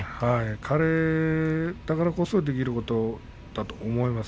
彼だからこそできることもあると思います。